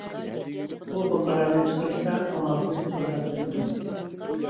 ئۇ بۇ قارارنى چىقىرىشتا ئامالسىز ئازابلىنىدۇ.